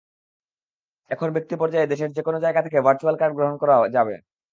এখন ব্যক্তিপর্যায়ে দেশের যেকোনো জায়গা থেকে ভার্চ্যুয়াল কার্ড গ্রহণ করা যাবে।